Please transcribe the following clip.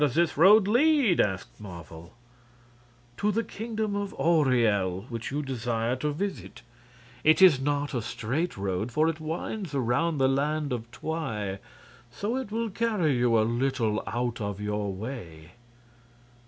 "But where does this road lead?" asked Marvel. "To the Kingdom of Auriel, which you desire to visit. It is not a straight road, for it winds around the Land of Twi, so it will carry you a little out of your way."